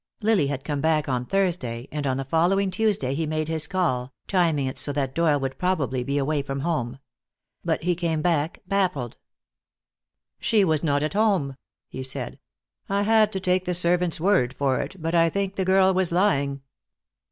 Lily had come back on Thursday, and on the following Tuesday he made his call, timing it so that Doyle would probably be away from home. But he came back baffled. "She was not at home," he said. "I had to take the servant's word for it, but I think the girl was lying."